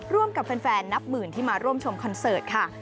ร่วมกับแฟนนับหมื่นที่มาร่วมชมคอนเสิร์ตค่ะ